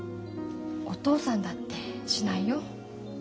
お父さんだってしないよ。